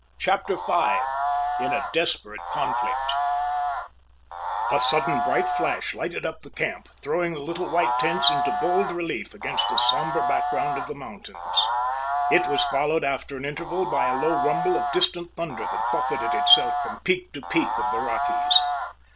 CHAPTER V IN A DESPERATE CONFLICT A sudden bright flash lighted up the camp, throwing the little white tents into hold relief against the sombre background of the mountains. It was followed after an interval by a low rumble of distant thunder that buffeted itself from peak to peak of the Rockies.